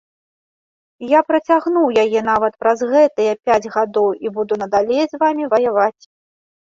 Я працягнуў яе нават праз гэтыя пяць гадоў і буду надалей з вамі ваяваць.